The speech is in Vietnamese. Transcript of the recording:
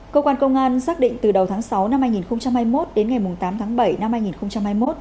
cơ quan công an xác định từ đầu tháng sáu hai nghìn hai mươi một đến ngày tám bảy hai nghìn hai mươi một